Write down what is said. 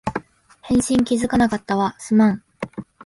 返信気づかなかったわ、すまん